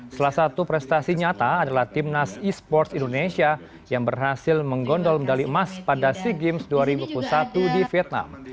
salah satu prestasi nyata adalah timnas e sports indonesia yang berhasil menggondol medali emas pada sea games dua ribu satu di vietnam